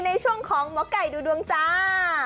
ในช่วงของมกัยดูดวงจา